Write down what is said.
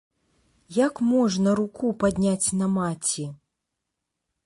Як можна руку падняць на маці?